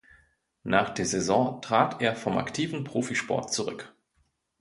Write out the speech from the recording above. Nach der Saison trat er vom aktiven Profisport zurück.